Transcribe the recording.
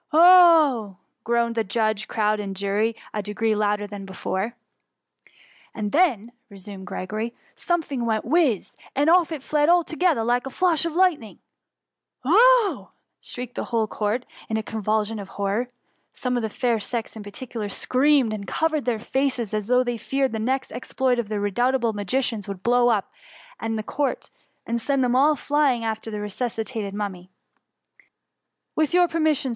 Oh !" groaned the judge, crowd, and jury, a degree louder than before. THE MUMMY. SSD " And then,'' resumed Gregory, something went whiz, and off it all fled together like a flash of lightning —^"" Oh !^ shrieked the whole Court, in a con vulsion of horror. Some of the fair sex in par ticular screamed and covered their faces, as though they feared the next exploit of the re doubtable magicians would be to blow up the court, and send them all flying after the resus citated Mummy. " With your permission.